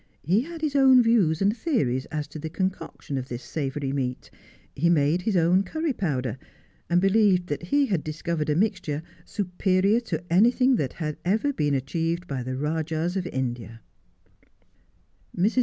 He had his own views and theories as to the concoction of this savoury meat — he made his own curry powder, and believed that he had discovered a mixture superior to anything that had ever been achieved by the Rajahs of Ind. Mrs.